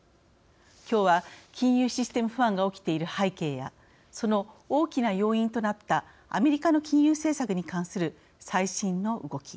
今日は金融システム不安が起きている背景やその大きな要因となったアメリカの金融政策に関する最新の動き。